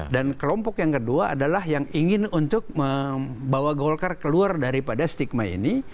dan kelompok yang kedua adalah yang ingin untuk membawa golkar keluar daripada stigma ini